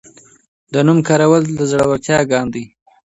د نوم کارول د زړورتیا ګام و.